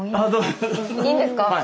いいんですか？